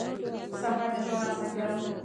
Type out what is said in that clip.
سهار د ژوند اسانتیا ده.